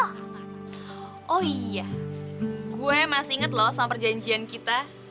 oh iya gue masih inget loh sama perjanjian kita